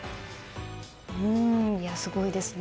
すごいですね。